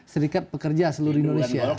serikat pekerja seluruh indonesia